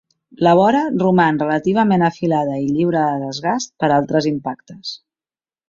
La vora roman relativament afilada i lliure de desgast per altres impactes.